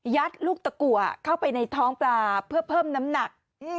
ลูกตะกัวเข้าไปในท้องปลาเพื่อเพิ่มน้ำหนัก